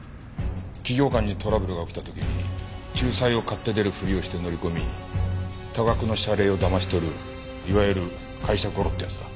企業間にトラブルが起きた時に仲裁を買って出るふりをして乗り込み多額の謝礼をだまし取るいわゆる会社ゴロってやつだ。